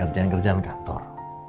masih ngerjain ngerjain ke kantor